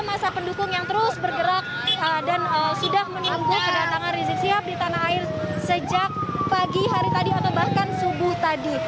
masa pendukung yang terus bergerak dan sudah menunggu kedatangan rizik sihab di tanah air sejak pagi hari tadi atau bahkan subuh tadi